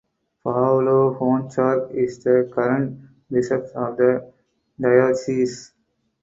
Pavlo Honcharuk is the current bishop of the diocese.